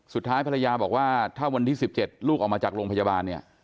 สุดท้ายภรรยาบอกว่าถ้าวันที่๑๗ลูกออกมาจากโรงพยาบาลเนี่ย